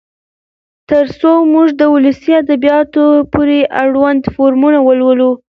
تر څو موږ د ولسي ادبياتو پورې اړوند فورمونه ولولو.